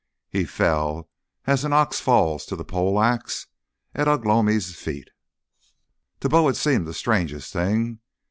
He fell, as an ox falls to the pole axe, at Ugh lomi's feet. To Bo it seemed the strangest thing.